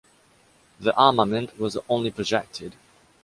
The armament was only projected.